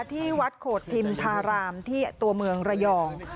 ที่วัดโขดทิมธารามที่ตัวเมืองระยอง